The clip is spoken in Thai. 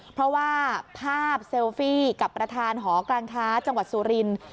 เพราะว่าภาพเซลฟี่กับประธานหอการค้าจังหวัดสุรินทร์